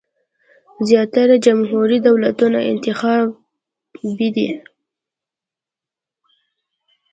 زیاتره جمهوري دولتونه انتخابي دي.